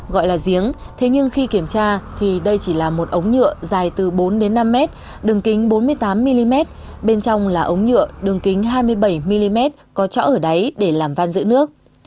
gọi là giếng thế nhưng khi kiểm tra thì đây chỉ là một ống nhựa dài từ bốn đến năm mét đường kính bốn mươi tám mm bên trong là ống nhựa đường kính hai mươi bảy mm có chỗ ở đáy để làm van giữ nước